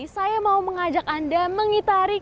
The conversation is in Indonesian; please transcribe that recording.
saya mau mengajak anda mengitari